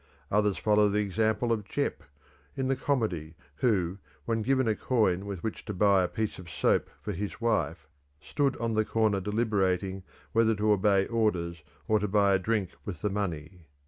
Others follow the example of Jeppe, in the comedy, who, when given a coin with which to buy a piece of soap for his wife, stood on the corner deliberating whether to obey orders or to buy a drink with the money.